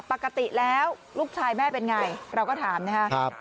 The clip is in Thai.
ปกติแล้วลูกชายแม่เป็นไงเราก็ถามนะครับ